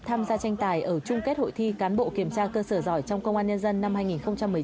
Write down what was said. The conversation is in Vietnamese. tham gia tranh tài ở chung kết hội thi cán bộ kiểm tra cơ sở giỏi trong công an nhân dân năm hai nghìn một mươi chín